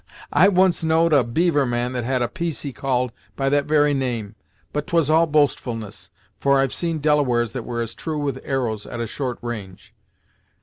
"I once know'd a beaver man that had a piece he called by that very name, but 'twas all boastfulness, for I've seen Delawares that were as true with arrows, at a short range.